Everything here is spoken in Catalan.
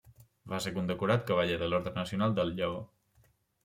Va ser condecorat cavaller de l'Orde Nacional del Lleó.